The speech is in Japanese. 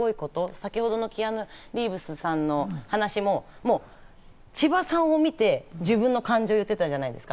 先ほどのキアヌ・リーブスさんの話も、もう千葉さんを見て自分の感情を言ってたじゃないですか。